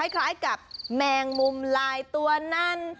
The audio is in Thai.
คล้ายกับแมงมุมลายตัวนั้น